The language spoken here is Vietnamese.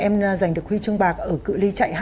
em giành được huy chương bạc ở cự li chạy hai